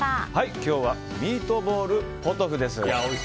今日はミートボールポトフです。